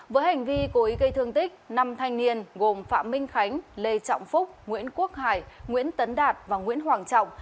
với hành vi cố ý gây thương tích năm thanh niên gồm phạm minh khánh lê trọng phúc nguyễn quốc hải nguyễn tấn đạt và nguyễn hoàng trọng